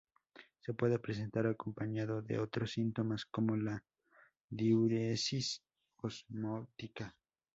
Se puede presentar acompañado de otros síntomas, como la diuresis osmótica.